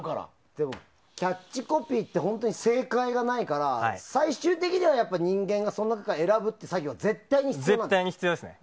でも、キャッチコピーって正解がないから最終的には人間がその中から選ぶという作業は絶対に必要だよね。